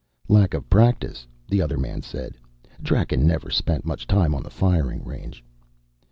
"Lack of practice," the other man said. "Draken never spent much time on the firing range."